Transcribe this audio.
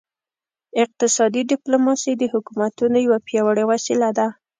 اقتصادي ډیپلوماسي د حکومتونو یوه پیاوړې وسیله ده